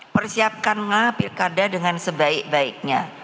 persiapkanlah pilkada dengan sebaik baiknya